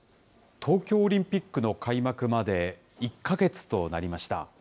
東京オリンピックの開幕まで１か月となりました。